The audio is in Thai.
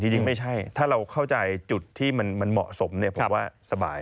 จริงไม่ใช่ถ้าเราเข้าใจจุดที่มันเหมาะสมผมว่าสบาย